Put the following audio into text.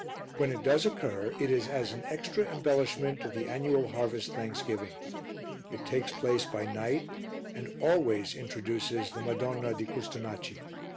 When it does occur, it is as an extra embellishment of the annual harvest thanksgiving; it takes place by night and always introduces the Madonna di Custonaci.